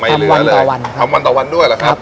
ทำวันต่อวันทำวันต่อวันด้วยเหรอครับ